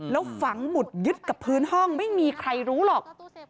แล้วฝังหมุดยึดกับพื้นห้องไม่มีใครรู้หรอก